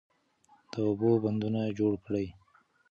د اوبو بندونه جوړ کړئ.